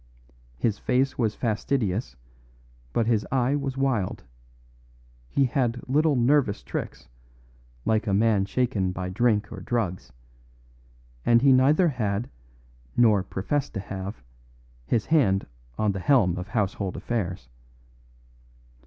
His face was fastidious, but his eye was wild; he had little nervous tricks, like a man shaken by drink or drugs, and he neither had, nor professed to have, his hand on the helm of household affairs.